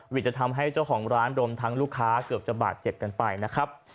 จะทำให้เจ้าของร้านรวมทั้งลูกค้าเกือบจะบาดเจ็บกันไปนะครับ